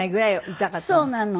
そうなの。